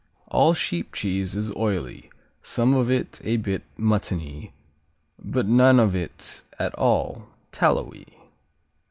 All sheep cheese is oily, some of it a bit muttony, but none of it at all tallowy.